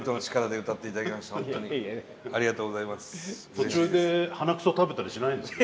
途中で鼻くそ食べたりしないんですね。